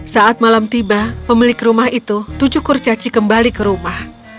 saat malam tiba pemilik rumah itu tujuh kurcaci kembali ke rumah